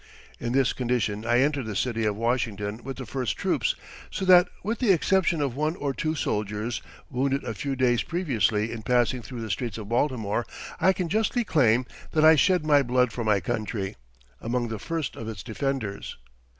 In this condition I entered the city of Washington with the first troops, so that with the exception of one or two soldiers, wounded a few days previously in passing through the streets of Baltimore, I can justly claim that I "shed my blood for my country" among the first of its defenders.